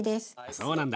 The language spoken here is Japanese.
そうなんだ。